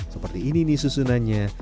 seperti ini nih susunannya